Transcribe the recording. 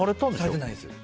されてないんですよ。